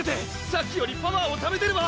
さっきよりパワーをためてるわ！